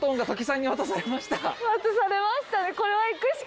渡されましたね。